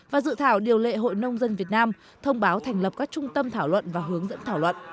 và dự thảo điều lệ hội nông dân việt nam thông báo thành lập các trung tâm thảo luận và hướng dẫn thảo luận